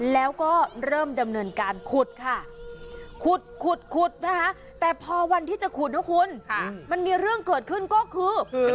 แล้วก็เริ่มดำเนินการขุดค่ะขุดขุดนะคะแต่พอวันที่จะขุดนะคุณมันมีเรื่องเกิดขึ้นก็คือ